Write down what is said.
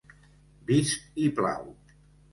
Vist i plau.